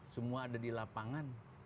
semua ada di lapangan